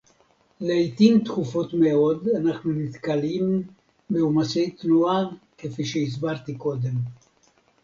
לעתים תכופות מאוד אנחנו נתקלים בעומסי תנועה כפי שהסברתי קודם